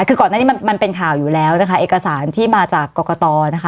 คือก่อนหน้านี้มันเป็นข่าวอยู่แล้วนะคะเอกสารที่มาจากกรกตนะคะ